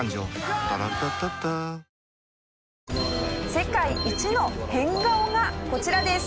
世界一の変顔がこちらです。